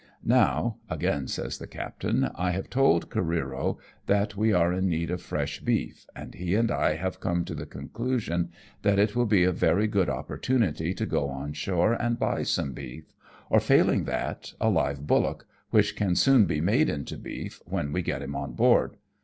Now," again says M 2 1 64 AMONG TYPHOONS AND PIRATE CRAFT. the captain^ "I have told Oareero that we are in need of fresh beef, and he and I have come to the conclusion that it will be a very good opportunity to go on shore and buy some beef, or, failing that, a live bullock, which can soon be made into beef when we get him on board.